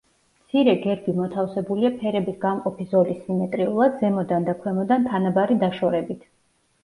მცირე გერბი მოთავსებულია ფერების გამყოფი ზოლის სიმეტრიულად, ზემოდან და ქვემოდან თანაბარი დაშორებით.